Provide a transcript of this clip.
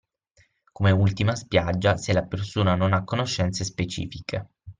Come ultima spiaggia se la persona non ha conoscenze specifiche